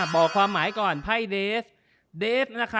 บอกความหมายก่อนไพ่เดสเดส